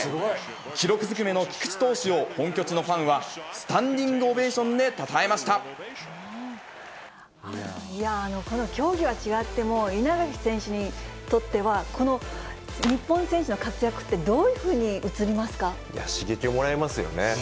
記録ずくめの菊池投手を本拠地のファンは、スタンディングオベーいやー、競技は違っても、稲垣選手にとっては、この日本選手の活躍ってどういうふうに映りいや、刺激をもらえますよね。